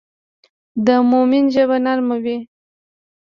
د مؤمن ژبه نرم وي.